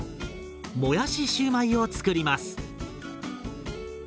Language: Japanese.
もやしシューマイを作ります。